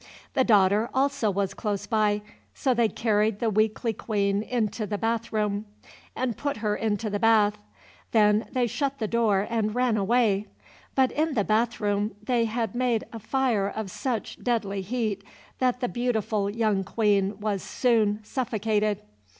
The daughter also was close by; so they carried the weakly Queen into the bath room, and put her into the bath; then they shut the door and ran away. But in the bath room they had made a fire of such deadly heat that the beautiful young Queen was soon suffocated.